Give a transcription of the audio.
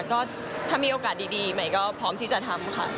ก็ถ้ามีโอกาสดีใหม่ก็พร้อมที่จะทำค่ะ